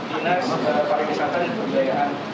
dia bekerja sebenarnya di dinas pariwisata dan pembiayaan